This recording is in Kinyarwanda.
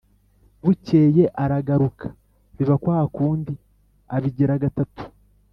Bukeye aragaruka, biba kwa kundi; abigira gatatu,